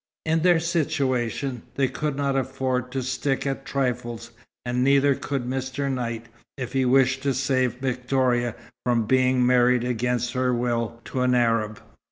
In their situation, they could not afford to stick at trifles, and neither could Mr. Knight, if he wished to save Victoria from being married against her will to an Arab.